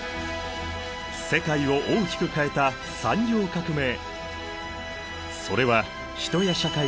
世界を大きく変えた産業革命。